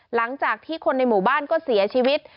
หลังจากที่คนในหมู่บ้านก็เสียชีวิต